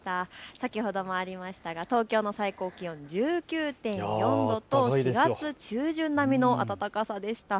先ほどもありましたが東京の最高気温１９．４度と４月中旬並みの暖かさでした。